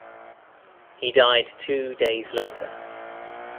He died two days later.